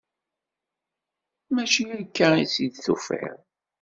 Mačči akka i tt-id-tufiḍ?